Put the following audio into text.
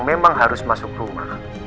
memang harus masuk rumah